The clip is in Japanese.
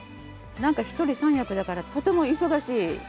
何か一人三役だからとても忙しい。